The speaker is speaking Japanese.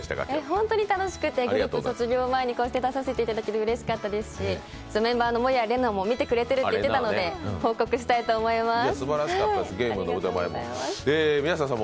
本当に楽しくて、卒業前にこの番組に出させていただけて、うれしかったですし、メンバーの守屋麗奈も見てくれていると言っていたので報告したいと思います。